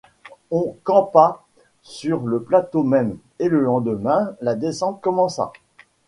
On campa sur le plateau même, et le lendemain la descente commença.